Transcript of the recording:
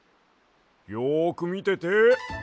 よくみてて。